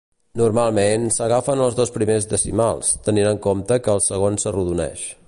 Normalment, s'agafen els dos primers decimals, tenint en compte que el segon s'arrodoneix.